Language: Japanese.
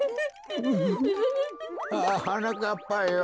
ああはなかっぱよ。